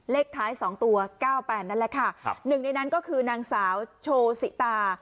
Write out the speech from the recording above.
เลขท้าย๒ตัว๙๘นั่นแหละค่ะครับหนึ่งในนั้นก็คือนางสาวโชสิตา